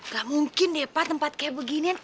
gak mungkin deh pak tempat kayak beginian